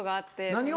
何を？